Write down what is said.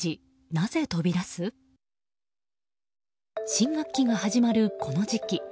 新学期が始まる、この時期。